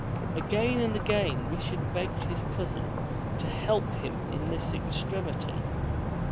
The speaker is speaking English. Again and again Richard begged his cousin to help him in this extremity.